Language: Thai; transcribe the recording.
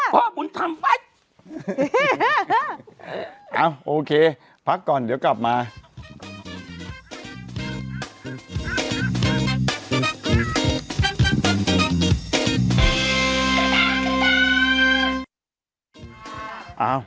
พ่อบุญทำไปโอเคพักก่อนเดี๋ยวกลับมา